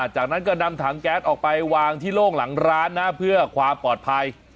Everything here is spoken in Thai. จากนั้นก็นำถังแก๊สออกไปวางที่โล่งหลังร้านนะเพื่อความปลอดภัย